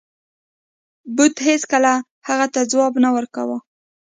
بت هیڅکله هغه ته ځواب نه ورکاو.